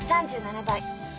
３７倍。